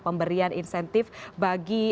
pemberian insentif bagi